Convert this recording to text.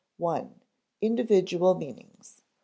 I. Individual Meanings.